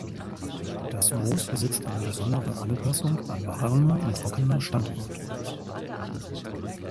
Das Moos besitzt eine besondere Anpassung an warme und trockene Standorte.